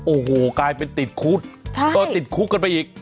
โอ้โหกลายเป็นติดคุกก็ติดคุกกันไปอีก